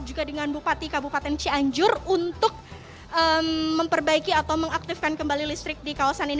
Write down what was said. juga dengan bupati kabupaten cianjur untuk memperbaiki atau mengaktifkan kembali listrik di kawasan ini